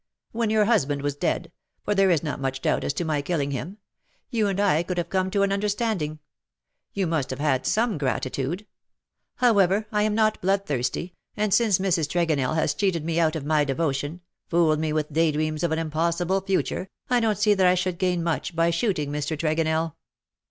•' When your husband was dead — for there is not much doubt as to my killing him — you and I could have come to an understand ing. You must have had some gratitude. How ever, I am not bloodthirsty, and since Mrs. Tregonell has cheated me out of my devotion, fooled me with day dreams of an impossible future, I don^t see that I should gain much by shooting Mr. Tregonell."